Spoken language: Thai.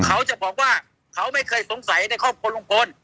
เขาจะบอกว่าเขาไม่เคยสงสัยในครอบครัวลุงพล